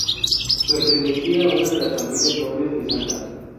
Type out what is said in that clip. Pertenecía a una de las familias nobles de Salta.